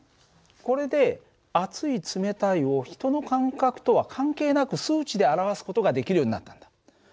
これで熱い冷たいを人の感覚とは関係なく数値で表す事ができるようになったんだ。